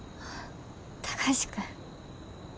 貴司君。